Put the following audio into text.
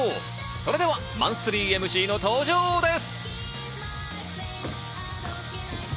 それはマンスリーＭＣの登場です。